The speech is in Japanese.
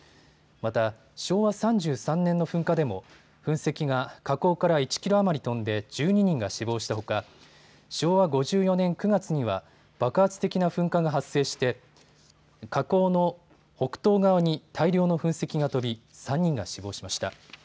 また、昭和３３年の噴火でも噴石が火口から１キロ余り飛んで１２人が死亡したほか昭和５４年９月には爆発的な噴火が発生して火口の北東側に大量の噴石が飛び３人が死亡しました。